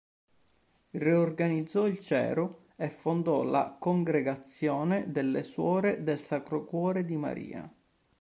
Riorganizzò il cero e fondò la congregazione delle Suore del Sacro Cuore di Maria.